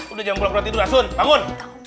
udah jam pula tidur asun bangun